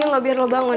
untuk kamu bangun